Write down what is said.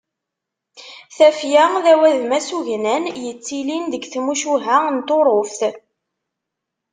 Tafya d awadem asugnan yettilin deg tmucuha n Tuṛuft.